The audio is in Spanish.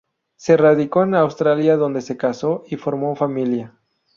Se radicó en Australia donde se casó y formó familia.